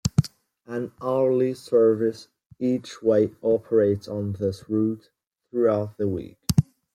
An hourly service each way operates on this route throughout the week.